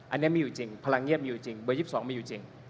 อันนี้มีอยู่จริงพลังเงียบมีอยู่จริงเบอร์๒๒มีอยู่จริง